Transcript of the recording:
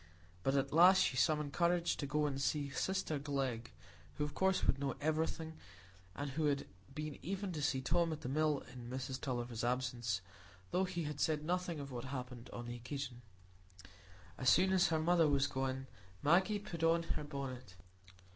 But at last she summoned courage to go and see sister Glegg, who of course would know everything, and had been even to see Tom at the Mill in Mrs Tulliver's absence, though he had said nothing of what had passed on the occasion. As soon as her mother was gone, Maggie put on her bonnet.